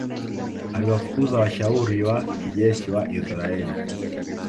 Aliwafukuza washauri wa kijeshi wa Israel